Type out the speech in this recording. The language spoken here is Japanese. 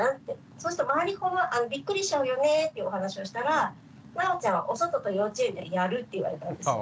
そうすると周りの子がびっくりしちゃうよね」っていうお話をしたら「なおちゃんお外と幼稚園でやる」って言われたんですよ。